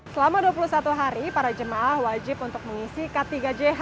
selama dua puluh satu hari para jemaah wajib untuk mengisi k tiga jh